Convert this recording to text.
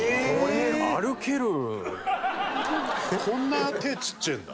こんな手ちっちゃいんだ。